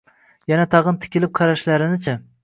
Yana tag’in tikilib qarashlarini-chi!